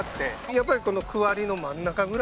やっぱりこの区割りの真ん中ぐらい。